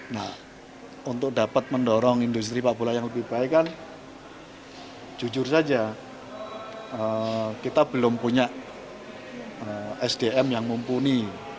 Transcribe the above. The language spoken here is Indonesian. nah untuk dapat mendorong industri sepak bola yang lebih baik kan jujur saja kita belum punya sdm yang mumpuni